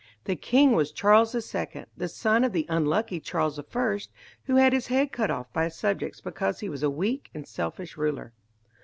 This king was Charles II, the son of the unlucky Charles I who had his head cut off by his subjects because he was a weak and selfish ruler.